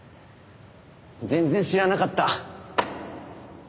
全然知らなかった。